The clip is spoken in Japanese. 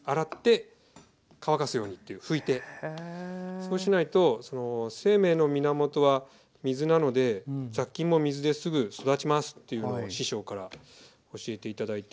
そうしないとその生命の源は水なので雑菌も水ですぐ育ちますっていうのを師匠から教えて頂いて。